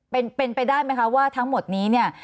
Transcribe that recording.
เป็นเป็นไปได้ไหมคะว่าทั้งหมดนี้เนี่ย